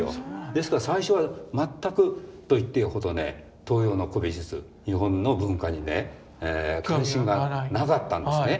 ですから最初は全くといっていいほどね東洋の古美術日本の文化にね関心がなかったんですね。